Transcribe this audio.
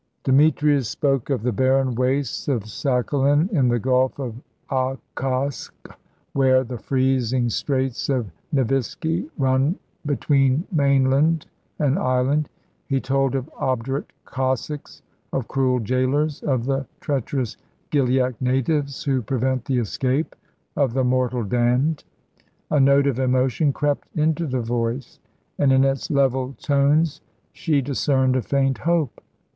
Demetrius spoke of the barren wastes of Sakhalin in the Gulf of Ochotsk, where the freezing straits of Neviski run between mainland and island. He told of obdurate Cossacks, of cruel gaolers, of the treacherous Gilyak natives, who prevent the escape of the mortal damned. A note of emotion crept into the voice, and in its level tones she discerned a faint hope.